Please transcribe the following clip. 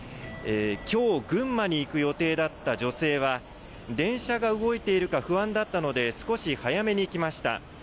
きょう群馬に行く予定だった女性は電車が動いているか不安だったので少し早めに来ました。